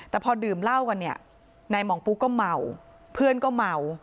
แต่พอดื่มเหล้ากันเนี่ยนายหมองปุ๊ก็เมาเพื่อนก็เมา